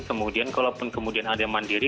kemudian kalaupun kemudian ada yang mandiri